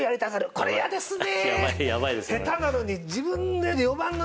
これ嫌ですね。